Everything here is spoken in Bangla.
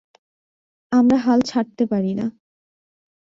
আমরা হাল ছাড়তে পারি না।